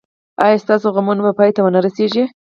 ایا ستاسو غمونه به پای ته و نه رسیږي؟